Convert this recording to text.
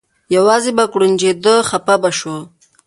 یوازې به یې یو کوړنجېده خپه به شو.